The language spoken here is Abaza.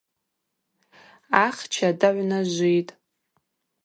Ахча дагӏвнажвитӏ.